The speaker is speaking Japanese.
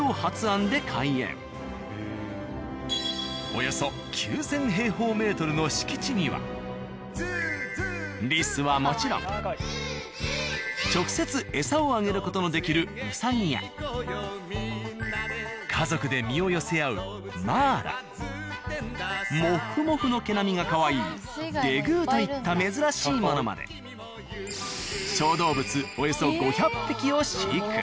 およそ９０００の敷地にはリスはもちろん直接エサをあげる事のできるウサギや家族で身を寄せ合うマーラモッフモフの毛並みがかわいいデグーといった珍しいものまで小動物およそ５００匹を飼育。